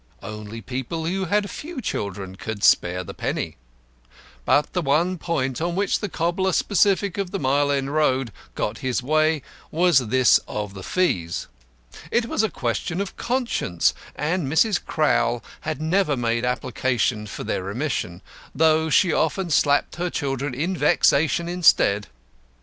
Only people who had few children could spare the penny. But the one point on which the cobbler sceptic of the Mile End Road got his way was this of the fees. It was a question of conscience, and Mrs. Crowl had never made application for their remission, though she often slapped her children in vexation instead.